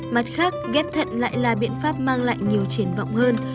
mặt khác ghép thận lại là biện pháp mang lại nhiều triển vọng hơn